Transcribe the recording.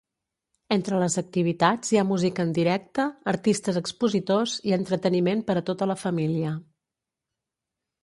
Entre les activitats hi ha música en directe, artistes expositors i entreteniment per a tota la família.